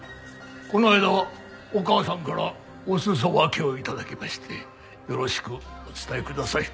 この間はお母さんからお裾分けを頂きましてよろしくお伝えください。